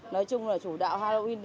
nói chung là chủ đạo halloween